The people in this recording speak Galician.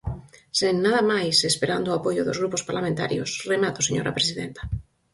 Sen nada máis, e esperando o apoio dos grupos parlamentarios, remato señora presidenta.